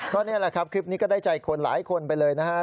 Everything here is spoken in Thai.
ก็นี่แหละครับคลิปนี้ก็ได้ใจคนหลายคนไปเลยนะฮะ